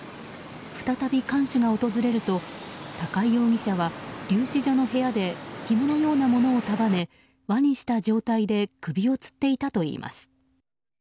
再び看守が訪れると高井容疑者は留置場の部屋でひものようなものを束ね輪にした状態で首をつっていたといいます。